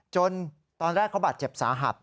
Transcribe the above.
จนตอนแรกเขาบรรจบสาหับ